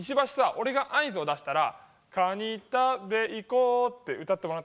俺が合図を出したら「カニ食べ行こう」って歌ってもらっていい？